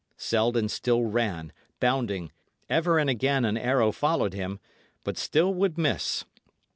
Selden still ran, bounding; ever and again an arrow followed him, but still would miss.